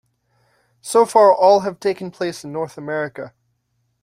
So far all have taken place in North America.